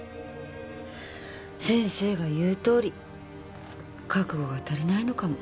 先生が言うとおり覚悟が足りないのかも。